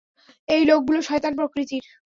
এই লোকগুলো শয়তান প্রকৃতির!